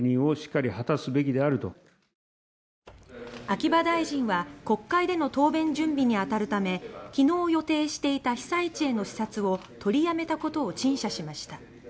秋葉大臣は国会での答弁準備に当たるため昨日予定していた被災地への視察を取りやめたことを陳謝しました。